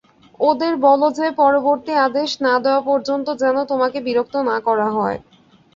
ওদের বলো যে পরবর্তী আদেশ না দেওয়া পর্যন্ত যেন তোমাকে বিরক্ত না করা হয়।